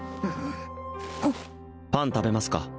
パン食べますか？